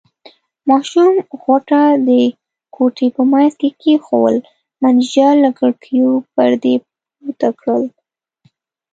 ماشوم غوټه د کوټې په منځ کې کېښوول، مېنېجر له کړکیو پردې پورته کړې.